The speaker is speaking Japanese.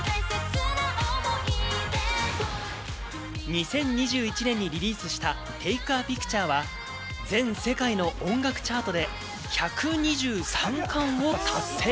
２０２１年にリリースした『Ｔａｋｅａｐｉｃｔｕｒｅ』は全世界の音楽チャートで１２３冠を達成！